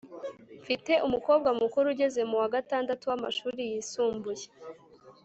Mfite umukobwa mukuru ugeze muwa gatandatu w amashuri yisumbuye